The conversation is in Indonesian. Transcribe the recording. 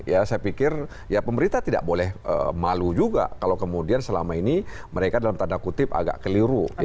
ya saya pikir ya pemerintah tidak boleh malu juga kalau kemudian selama ini mereka dalam tanda kutip agak keliru